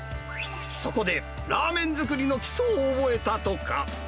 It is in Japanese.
そこで、ラーメン作りの基礎を覚えたとか。